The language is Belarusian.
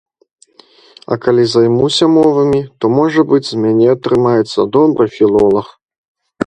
А калі займуся мовамі, то, можа быць, з мяне атрымаецца добры філолаг.